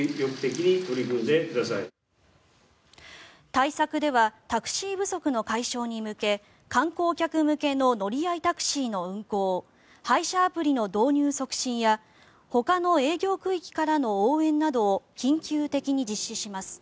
対策ではタクシー不足の解消に向け観光客向けの乗り合いタクシーの運行配車アプリの導入促進やほかの営業区域からの応援などを緊急的に実施します。